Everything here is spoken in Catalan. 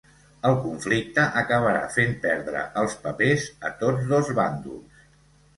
El conflicte acabarà fent perdre els papers a tots dos bàndols.